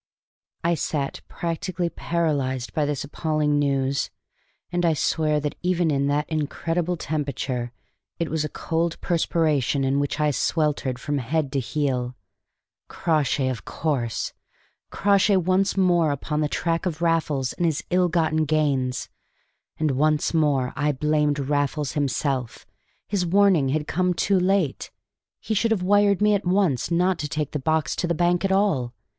I sat practically paralyzed by this appalling news; and I swear that, even in that incredible temperature, it was a cold perspiration in which I sweltered from head to heel. Crawshay, of course! Crawshay once more upon the track of Raffles and his ill gotten gains! And once more I blamed Raffles himself: his warning had come too late: he should have wired to me at once not to take the box to the bank at all.